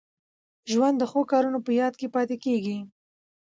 ژوند د ښو کارونو په یاد پاته کېږي.